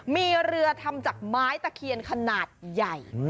มีเรือทำจากไม้ตะเคียนขนาดใหญ่